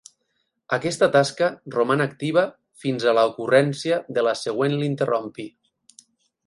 Aquesta tasca roman activa fins a la ocurrència de la següent l'interrompi.